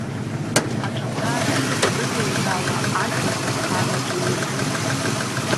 Аҿаԥара саныныҩнала, ашә ацаԥха наҿаиршәт.